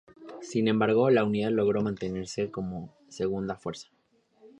Sin embargo, la Unidad logró mantenerse como segunda fuerza.